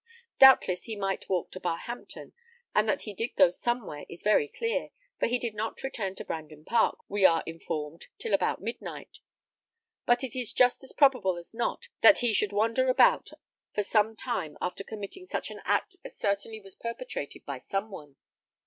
Doubtless he might walk to Barhampton, and that he did go somewhere is very clear, for he did not return to Brandon Park, we are informed, till about midnight; but it is just as probable as not, that he should wander about for some time after committing such an act as certainly was perpetrated by some one.